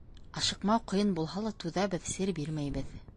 Ашыҡмау ҡыйын булһа ла, түҙәбеҙ, сер бирмәйбеҙ.